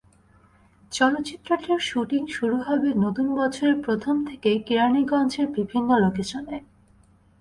চলচ্চিত্রটির শুটিং শুরু হবে নতুন বছরের প্রথম থেকে কেরানীগঞ্জের বিভিন্ন লোকেশনে।